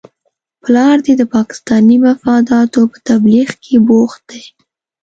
پلار دې د پاکستاني مفاداتو په تبلیغ کې بوخت دی؟